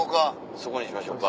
そこにしましょうか。